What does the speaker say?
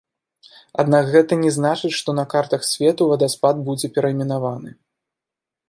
Аднак гэта не значыць, што на картах свету вадаспад будзе перайменаваны.